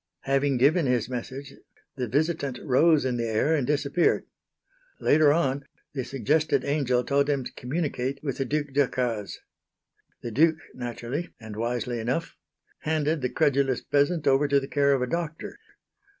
Having given his message the visitant rose in the air and disappeared. Later on the suggested angel told him to communicate with the Duc Decazes. The Duke naturally, and wisely enough, handed the credulous peasant over to the care of a doctor.